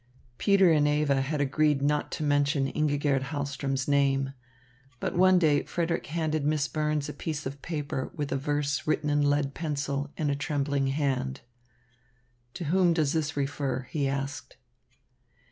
Peter and Eva had agreed not to mention Ingigerd Hahlström's name. But one day Frederick handed Miss Burns a piece of paper with a verse written in lead pencil in a trembling hand. "To whom does this refer?" he asked.